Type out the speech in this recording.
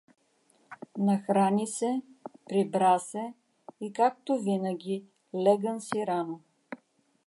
Нахрани се, прибра се и, както винаги, леган си рано.